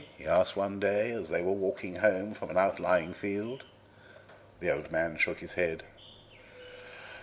he asked one day as they were walking home from an outlying field. The old man shook his head.